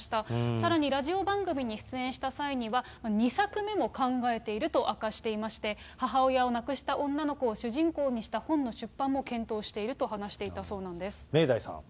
さらに、ラジオ番組に出演した際には、２作目も考えていると明かしていまして、母親を亡くした女の子を主人公にした本の出版も検討していると話明大さん。